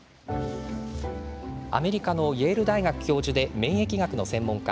アメリカのイエール大学教授で免疫学の専門家